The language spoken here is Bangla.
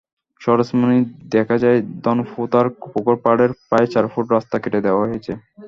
সরেজমিনে দেখা যায়, ধনপোতার পুকুরপাড়ের প্রায় চার ফুট রাস্তা কেটে দেওয়া হয়েছে।